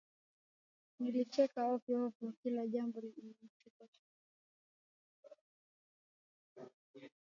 Nilicheka ovyoovyo Kila jambo lilinichekesha